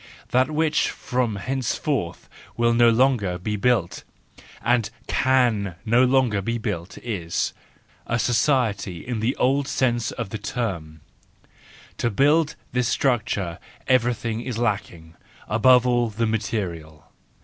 —that which from henceforth will no longer be built, and can no longer be built, is—a society in the old sense of the term ; to build this structure everything is lacking, above all, the material.